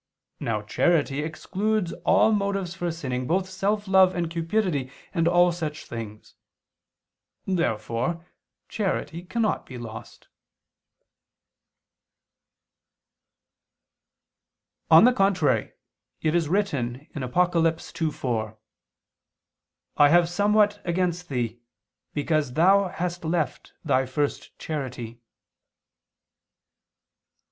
Now charity excludes all motives for sinning, both self love and cupidity, and all such things. Therefore charity cannot be lost. On the contrary, It is written (Apoc. 2:4): "I have somewhat against thee, because thou hast left thy first charity."